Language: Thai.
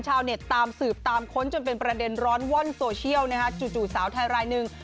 ชาวเน็ตตามสืบตามค้นจนเป็นประเด็นร้อนว่อนโซเชียลนะฮะจู่สาวไทยรายหนึ่ง